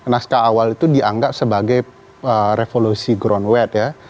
naskah awal itu dianggap sebagai revolusi ground wet ya